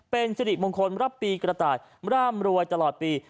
เป็นสิริมงคลรับปีกระต่ายร่ำรวยตลอดปี